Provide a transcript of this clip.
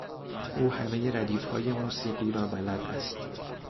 او همهٔ ردیف های موسیقی را بلد است.